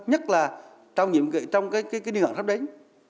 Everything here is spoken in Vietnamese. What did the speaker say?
nhất là trong cái niềm hợp sắp đến